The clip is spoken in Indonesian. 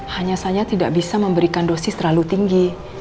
hanya saja tidak bisa memberikan dosis terlalu tinggi